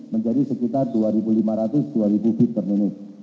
menjadi sekitar dua ribu lima ratus dua ribu bit per menit